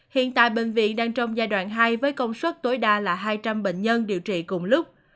hiện tại bệnh viện đang trong giai đoạn hai với công suất tối đa là hai trăm linh bệnh nhân điều trị cùng lúc